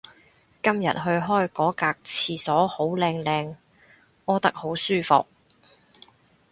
今日去開嗰格廁所好靚靚屙得好舒服